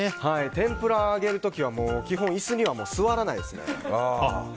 天ぷらを揚げる時は基本、椅子に座らないです。